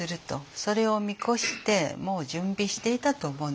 それを見越してもう準備していたと思うんですよ。